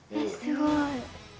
すごい。